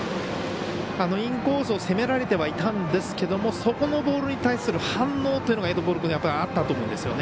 インコースを攻められてはいたんですけどそこのボールに対する反応というのがエドポロ君、あったんですよね。